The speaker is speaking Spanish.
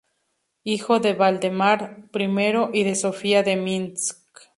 Hijo de Valdemar I y de Sofía de Minsk.